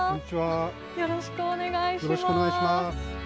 よろしくお願いします。